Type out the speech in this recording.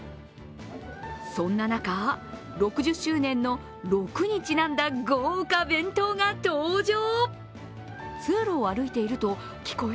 そんな中、６０周年の６にちなんだ豪華弁当が登場。